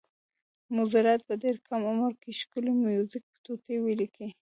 موزارټ په ډېر کم عمر کې ښکلې میوزیکي ټوټې ولیکلې.